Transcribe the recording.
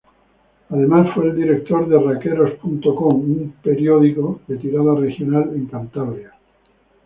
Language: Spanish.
Además fue el director de "Rakeros.com", un periódico de tirada regional en Cantabria.